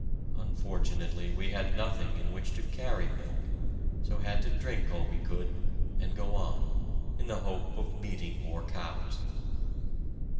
Unfortunately we had nothing in which to carry milk, so had to drink all we could, and go on, in the hope of meeting more cows.